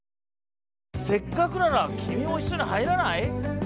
せっかくなら君も一緒に入らない？